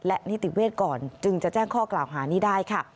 และนิติเวทก่อนจึงจะแจ้งข้อกล่าวหานี้ได้ค่ะ